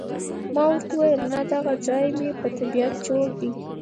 ما ورته وویل، نه، دغه ځای مې په طبیعت جوړ دی.